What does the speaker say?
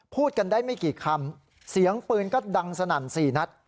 พูดกันได้ไม่กี่คำเสียงปืนก็ดังสนั่น๔นัด